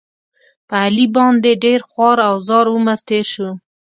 په علي باندې ډېر خوار او زار عمر تېر شو.